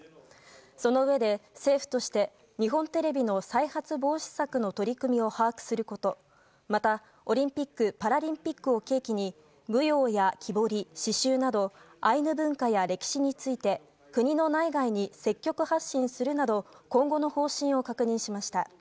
そのうえで、政府として日本テレビの再発防止策の取り組みを把握することまた、オリンピック・パラリンピックを契機に舞踊や木彫り、刺しゅうなどアイヌ文化や歴史について国の内外に積極発信するなど今後の方針を確認しました。